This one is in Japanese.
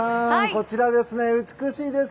こちら、美しいです！